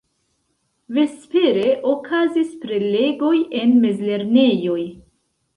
Vespere okazis prelegoj en mezlernejoj.